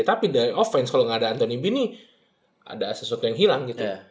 tapi di offense kalau nggak ada anthony bean nih ada sesuatu yang hilang gitu